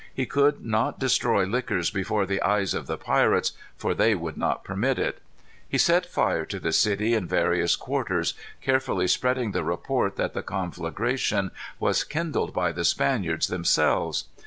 He could not destroy liquors before the eyes of the pirates, for they would not permit it. He set fire to the city in various quarters, carefully spreading the report that the conflagration was kindled by the Spaniards themselves.